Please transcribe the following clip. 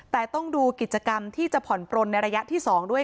แต่ต้องดูกิจกรรมที่จะผ่อนปลนในระยะที่๒ด้วย